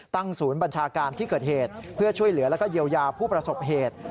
ศูนย์บัญชาการที่เกิดเหตุเพื่อช่วยเหลือแล้วก็เยียวยาผู้ประสบเหตุ